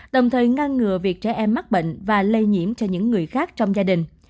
đồng thời ngăn ngừa việc trẻ em mắc bệnh và lây nhiễm cho những người khác trong gia đình